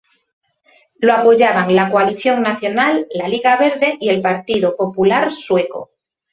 Lo apoyaban la Coalición Nacional, la Liga Verde y el Partido Popular Sueco.